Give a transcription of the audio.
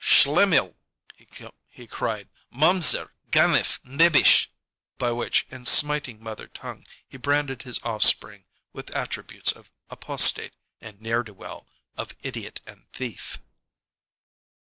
"Schlemmil!" he cried. "Momser! Ganef! Nebich!" by which, in smiting mother tongue, he branded his offspring with attributes of apostate and ne'er do well, of idiot and thief.